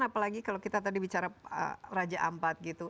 apalagi kalau kita tadi bicara raja ampat gitu